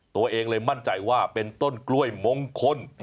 ตัวเองเลยมั่นใจว่าเป็นต้นกล้วยมงคล